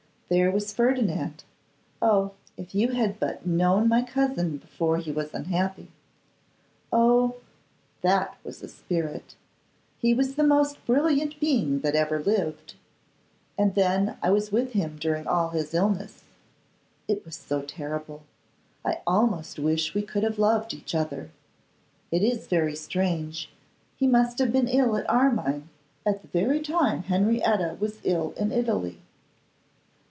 'There was Ferdinand. Oh! if you had but known my cousin before he was unhappy. Oh! that was a spirit! He was the most brilliant being that ever lived. And then I was with him during all his illness. It was so terrible. I almost wish we could have loved each other. It is very strange, he must have been ill at Armine, at the very time Henrietta was ill in Italy.